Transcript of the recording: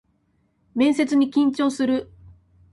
面接に緊張する